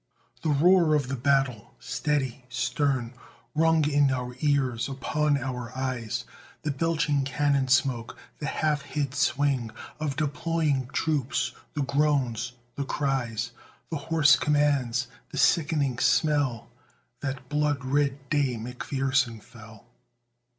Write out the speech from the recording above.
The roar of the battle, steady, stern, Rung in our ears. Upon our eyes The belching cannon smoke, the half hid swing Of deploying troops, the groans, the cries, The hoarse commands, the sickening smell That blood red day McPherson fell!